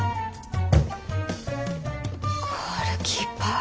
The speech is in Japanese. ゴールキーパー。